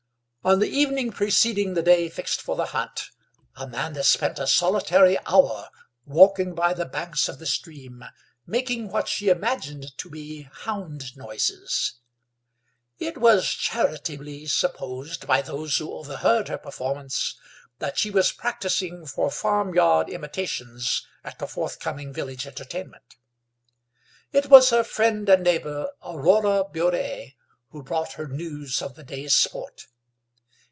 On the evening preceding the day fixed for the hunt Amanda spent a solitary hour walking by the banks of the stream, making what she imagined to be hound noises. It was charitably supposed by those who overheard her performance, that she was practising for farmyard imitations at the forth coming village entertainment. It was her friend and neighbour, Aurora Burret, who brought her news of the day's sport.